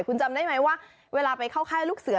คุณจำได้ไหมว่าเวลาไปเข้าค่ายลูกเสือ